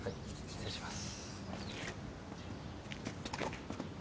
失礼します。